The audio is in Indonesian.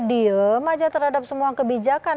diem aja terhadap semua kebijakan